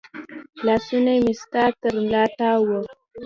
لاسونه مې ستا تر ملا تاو و